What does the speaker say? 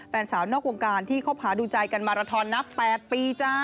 แฟนสาวนอกวงการที่คบหาดูใจกันมาราทอนนับ๘ปีจ้า